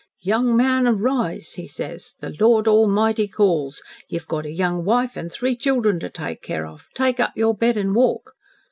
'Young man, arise,' he says. 'The Lord Almighty calls. You've got a young wife an' three children to take care of. Take up your bed an' walk.'